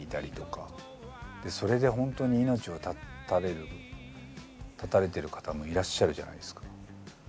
でそれで本当に命を絶たれる絶たれてる方もいらっしゃるじゃないですか。